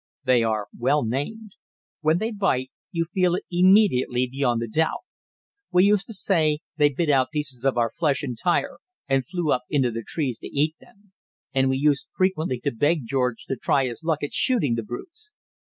They are well named. When they bite, you feel it immediately beyond a doubt. We used to say they bit out pieces of our flesh entire and flew up into the trees to eat them, and we used frequently to beg George to try his luck at shooting the brutes.